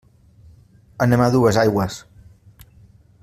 Anem a Duesaigües.